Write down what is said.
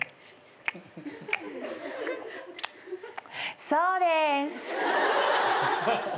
そうです。